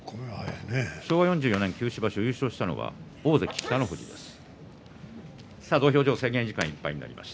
昭和４４年九州場所優勝したのは北の富士さんです。